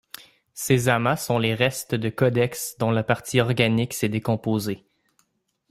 Ces amas sont les restes de codex dont la partie organique s'est décomposée.